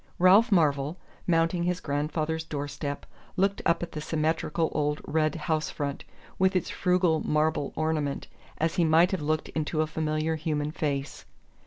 Ralph Marvell, mounting his grandfather's doorstep, looked up at the symmetrical old red house front, with its frugal marble ornament, as he might have looked into a familiar human face.